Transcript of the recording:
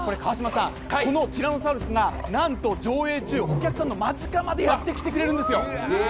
このティラノサウルスがなんと上映中お客さんの間近までやってきてくれるんですよ。